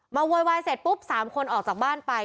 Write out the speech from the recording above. โวยวายเสร็จปุ๊บ๓คนออกจากบ้านไป